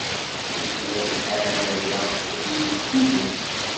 Yezmer lḥal aya ad yili d tidet.